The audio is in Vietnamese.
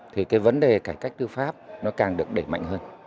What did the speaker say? thì cái vấn đề cải cách tư pháp nó càng được đẩy mạnh hơn